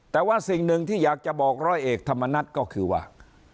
แต่ว่าสิ่งหนึ่งที่อยากจะบอกร้อยเอกธรรมนัฐก็คือว่า